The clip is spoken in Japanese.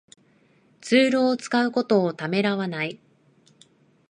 ツールを使うことをためらわない